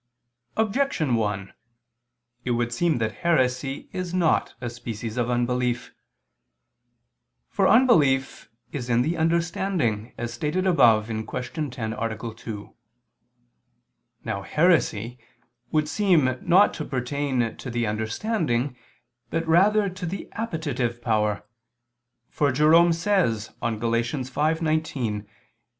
Objection 1: It would seem that heresy is not a species of unbelief. For unbelief is in the understanding, as stated above (Q. 10, A. 2). Now heresy would seem not to pertain to the understanding, but rather to the appetitive power; for Jerome says on Gal. 5:19: [*Cf. Decretals xxiv, qu.